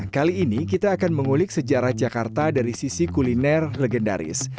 kali ini kita akan mengulik sejarah jakarta dari sisi kuliner legendaris